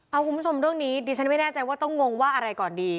เอาคุณผู้ชมเรื่องนี้ดิฉันไม่แน่ใจว่าต้องงงว่าอะไรก่อนดี